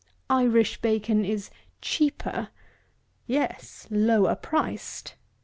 Irish bacon is "cheaper." Yes, lower priced.